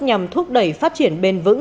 nhằm thúc đẩy phát triển bền vững